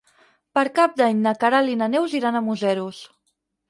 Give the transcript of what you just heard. Per Cap d'Any na Queralt i na Neus iran a Museros.